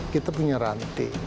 kita punya rantai